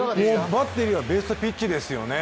バッテリーはベストピッチですよね。